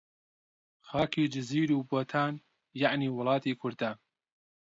خاکی جزیر و بۆتان، یەعنی وڵاتی کوردان